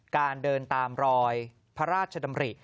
การเดินตามรอยพระราชดำริ